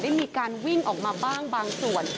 ได้มีการวิ่งออกมาบ้างบางส่วน